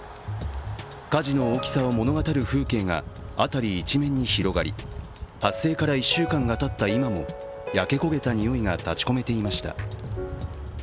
火事の大きさを物語る風景が辺り一面に広がり、発生から１週間がたった今も焼け焦げたにおいが立ちこめていました。